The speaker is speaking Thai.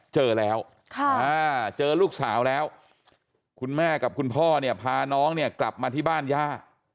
เจอแล้วเจอลูกสาวแล้วคุณแม่กับคุณพ่อเนี่ยพาน้องเนี่ยกลับมาที่บ้านย่า